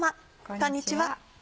こんにちは。